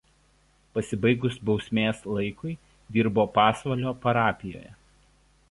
Pasibaigus bausmės laikui dirbo Pasvalio parapijoje.